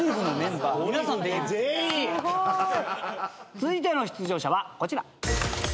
続いての出場者はこちら。